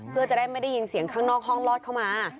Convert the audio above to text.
เพื่อจะได้ไม่ได้ยินเสียงข้างนอกห้องลอดเข้ามา